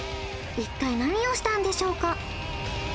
一体何をしたんでしょうか？